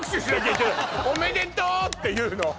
おめでとって言うの？